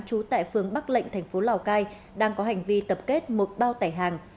trú tại phường bắc lệnh thành phố lào cai đang có hành vi tập kết một bao tải hàng